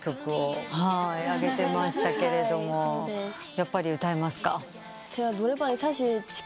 やっぱり歌いますか？